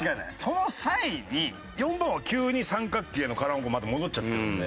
その際に４番は急に三角形のカラーコーンにまた戻っちゃってるんで。